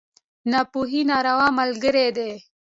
ناپوهي، ناوړه ملګری دی.